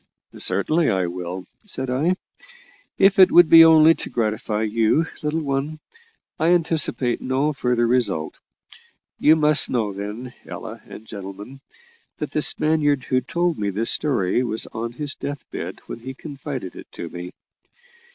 "Certainly I will," said I, "if it be only to gratify you, little one; I anticipate no further result. You must know, then, Ella and gentlemen, that the Spaniard who told me this story was on his death bed when he confided it to me.